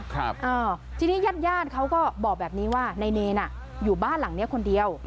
ครับอ้อทีนี้ย่านเขาก็บอกแบบนี้ว่าในในทรีย์อ่ะอยู่บ้านหลังเนี่ยคนเดียว